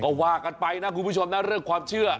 ก็ว่ากันไปนะคุณผู้ชมนะเรื่องความเชื่อ